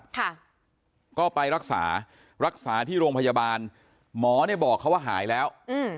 ค่ะก็ไปรักษารักษาที่โรงพยาบาลหมอเนี่ยบอกเขาว่าหายแล้วอืม